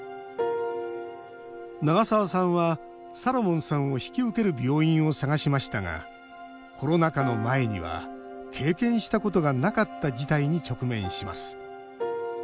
長澤さんは、サロモンさんを引き受ける病院を探しましたがコロナ禍の前には経験したことがなかった事態に直面します。